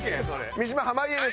三島濱家です！